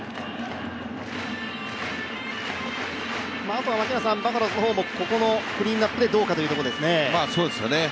あとはバファローズの方もここのクリーンアップでどうかというところですね。